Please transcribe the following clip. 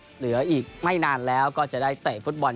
เหลืออีกไม่นานแล้วก็จะได้เตะฟุตบอล